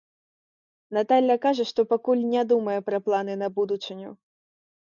Наталля кажа, што пакуль не думае пра планы на будучыню.